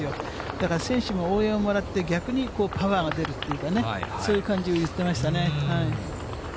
だから選手も応援をもらって、逆にパワーが出るっていうかね、そういう感じを言ってましたね。